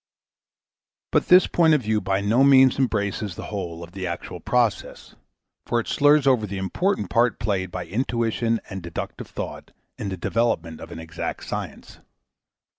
But this point of view by no means embraces the whole of the actual process ; for it slurs over the important part played by intuition and deductive thought in the development of an exact science.